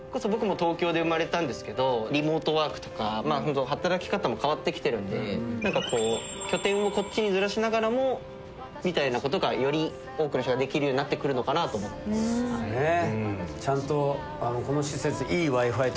僕も東京で生まれたんですけどリモートワークとかホント働き方も変わってきてるんで何かこう拠点をこっちにずらしながらもみたいなことがより多くの人ができるようになってくるのかなと思ってますそうですね